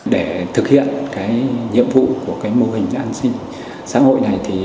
để thực hiện nhiệm vụ của mô hình an sinh xã hội này